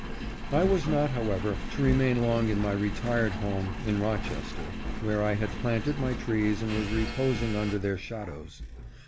I was not, however, to remain long in my retired home in Rochester, where I had planted my trees and was re posing under their shadows.